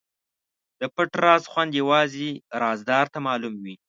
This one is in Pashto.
د پټ راز خوند یوازې رازدار ته معلوم وي.